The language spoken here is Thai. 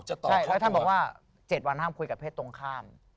แล้วท่านบอกว่า๗วันห้ามคุยกับเพศตรงข้าม